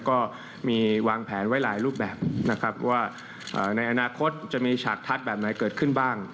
ก็มีวางแผนไว้หลายรูปแบบนะครับว่าในอนาคตจะมีฉากทัศน์แบบไหนเกิดขึ้นบ้าง